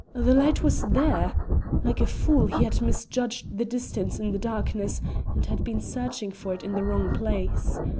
the light was there. Like a fool he had misjudged the distance in the darkness and had been searching for it in the wrong place.